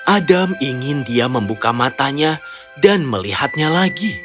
adam ingin dia membuka matanya dan melihatnya lagi